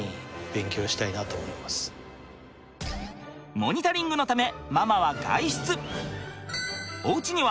モニタリングのためママは外出。